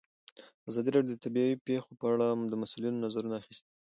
ازادي راډیو د طبیعي پېښې په اړه د مسؤلینو نظرونه اخیستي.